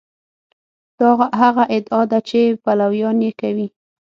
دا هغه ادعا ده چې پلویان یې کوي.